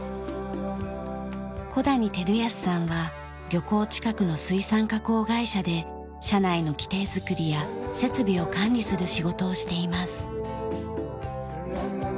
小谷輝泰さんは漁港近くの水産加工会社で社内の規定作りや設備を管理する仕事をしています。